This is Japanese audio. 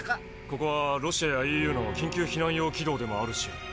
ここはロシアやＥＵのきん急避難用軌道でもあるし。